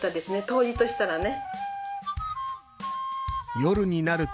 当時としたらね